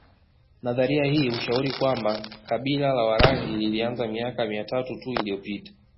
Nadharia hii hushauri kwamba kabila la Warangi lilianza miaka mia tatu tu iliyopita